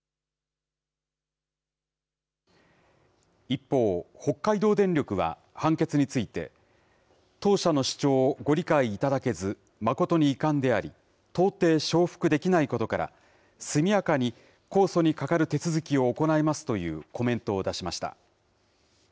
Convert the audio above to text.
一方、北海道電力は判決について、当社の主張をご理解いただけず、誠に遺憾であり、到底承服できないことから、速やかに控訴に係る手続きを行いますというコメントを出しました。